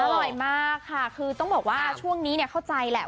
อร่อยมากค่ะคือต้องบอกว่าช่วงนี้เนี่ยเข้าใจแหละ